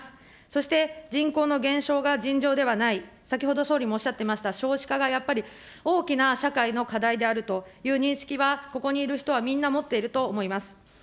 そして、人口の減少が尋常ではない、先ほど総理もおっしゃっていました、少子化がやっぱり大きな社会の課題であるという認識はここにいる人はみんな持っていると思います。